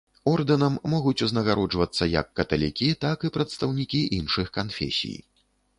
Ордэнам могуць узнагароджвацца як каталікі, так і прадстаўнікі іншых канфесій.